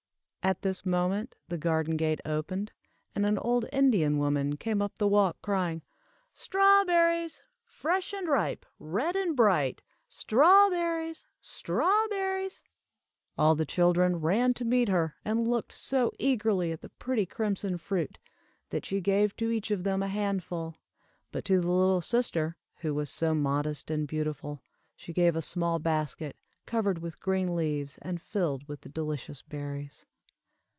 At this moment the garden gate opened, and an old Indian woman came up the walk, crying "Strawberries! fresh and ripe, red and bright. Strawberries! strawberries!" All the children ran to meet her, and looked so eagerly at the pretty crimson fruit, that she gave to each of them a handful, but to the little sister, who was so modest and beautiful, she gave a small basket, covered with green leaves, and filled with the delicious berries.